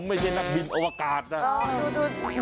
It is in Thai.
ไม่ใช่นักบินอวกาศนะ